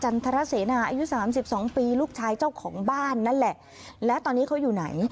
อายุ๓๒ปีลูกชายเจ้าของบ้านนั่นแหละและตอนนี้เขาอยู่ไหน